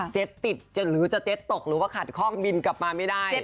เจ็ดติดหรือจะเจ็ดตกหรือว่าขัดคล่องบินกลับมาไม่ได้